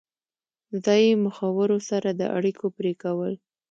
ځایي مخورو سره د اړیکو پرې کول.